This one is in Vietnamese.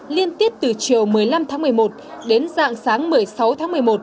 liên tiếp từ chiều một mươi năm tháng một mươi một đến dạng sáng một mươi sáu tháng một mươi một